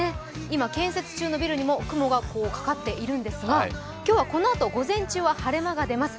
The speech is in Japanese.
今建設中のビルにも雲がかかっているんですが今日はこのあと午前中は晴れ間が出ます。